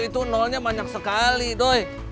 itu nolnya banyak sekali doy